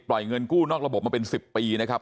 เงินกู้นอกระบบมาเป็น๑๐ปีนะครับ